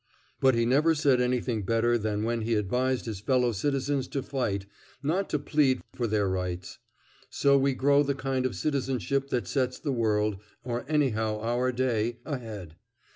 But he never said anything better than when he advised his fellow citizens to fight, not to plead, for their rights. So we grow the kind of citizenship that sets the world, or anyhow our day, ahead.